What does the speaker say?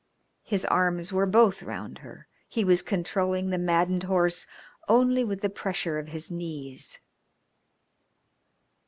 His arms were both round her; he was controlling the maddened horse only with the pressure of his knees.